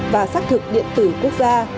và xác thực điện tử quốc gia